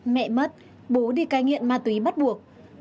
mẹ mất bố đi cai nghiện ma túy bắt buộc